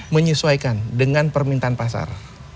menyesuaikan dengan permintaan pasar